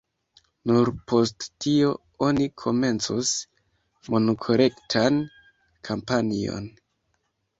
Nur post tio oni komencos monkolektan kampanjon.